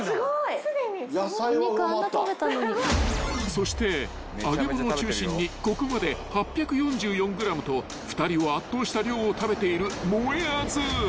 ［そして揚げ物を中心にここまで８４４ｇと２人を圧倒した量を食べているもえあず］